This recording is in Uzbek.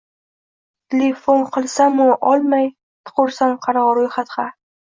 Tilipon qilsamu olmay, tiqursan qaro ro'yxatg‘a